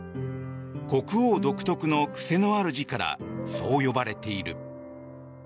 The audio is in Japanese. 国王独特の癖のある字からそう呼ばれている。